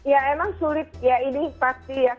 ya emang sulit ya ini pasti ya